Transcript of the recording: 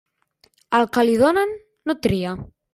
Al que li donen, no tria.